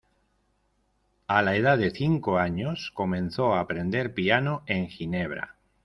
A la edad de cinco años, comenzó a aprender piano en Ginebra.